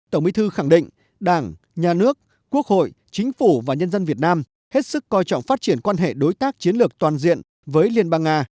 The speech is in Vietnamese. tổng bí thư khẳng định đảng nhà nước quốc hội chính phủ và nhân dân việt nam hết sức coi trọng phát triển quan hệ đối tác chiến lược toàn diện với liên bang nga